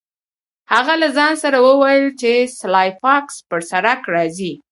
هغه له ځان سره وویل چې سلای فاکس پر سړک راځي